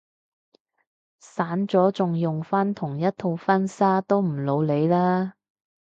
散咗仲用返同一套婚紗都唔老嚟啦